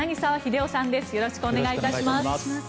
よろしくお願いします。